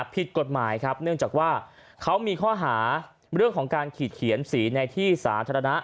ผิดกฎหมายครับเนื่องจากว่าเขามีข้อหาเรื่องของการขีดเขียนสีในที่สาธารณะ